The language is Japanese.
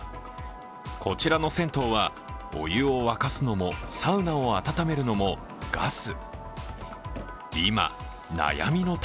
こちらの銭湯はお湯を沸かすのもサウナを温めるのもガス。